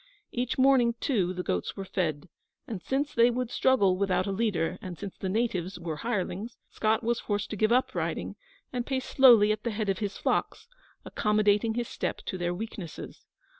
Each morning, too, the goats were fed; and since they would struggle without a leader, and since the natives were hirelings, Scott was forced to give up riding, and pace slowly at the head of his flocks, accommodating his step to their weaknesses.